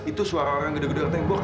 itu suara orang gede gede di tembok kak